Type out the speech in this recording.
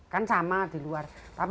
jadi kami dijual saja